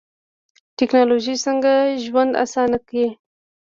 ټکنالوژي څنګه ژوند اسانه کړی؟